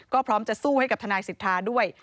ก็พร้อมจะสู้ให้กับทนายสิทธาด้วย